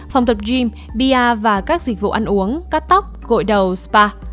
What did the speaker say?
phòng tập gym bia và các dịch vụ ăn uống cắt tóc gội đầu spa